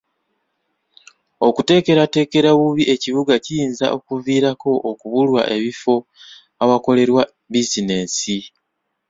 Okuteekerateekera obubi ekibuga kiyinza okuviirako okubulwa ebifo awakolelwa bizinensi.